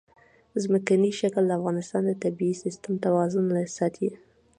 ځمکنی شکل د افغانستان د طبعي سیسټم توازن ساتي.